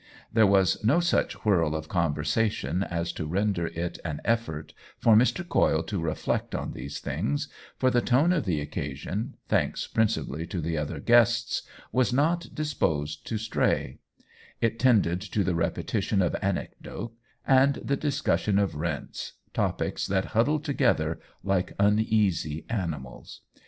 There was no such whirl of conversation as to render it an effort for Mr. Coyle to reflect on these things, for the tone of the occasion, thanks principally to the other guests, was not disposed to stray — it tended to the repetition of anecdote and the discussion of rents, topics that huddled together like uneasy animals.